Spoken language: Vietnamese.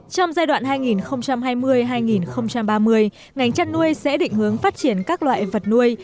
trong giai đoạn hai nghìn hai mươi hai nghìn ba mươi ngành chăn nuôi sẽ định hướng phát triển các loại vật nuôi